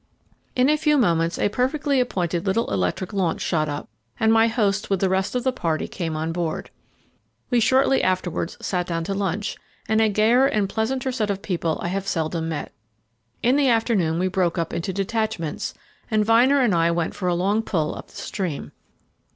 In a few moments a perfectly appointed little electric launch shot up, and my host with the rest of the party came on board. We shortly afterwards sat down to lunch, and a gayer and pleasanter set of people I have seldom met. In the afternoon we broke up into detachments, and Vyner and I went for a long pull up stream.